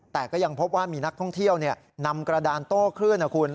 แต่ก็ยังพบว่ามีนักท่องเที่ยวนำกระดานโต้คลื่นนะคุณ